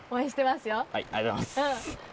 ありがとうございます。